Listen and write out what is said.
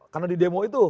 karena di demo itu